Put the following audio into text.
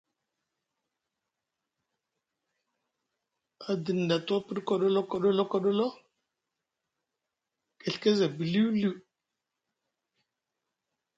Adiŋ ɗa a tuwa piɗi koɗolo koɗolo koɗolo keɵke za biliwliw.